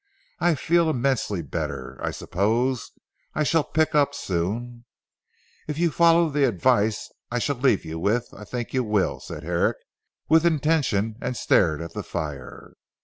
"I feel immensely better. I suppose I shall pick up soon." "If you follow the advice I shall leave with you, I think you will," said Herrick with intention and stared at the fire.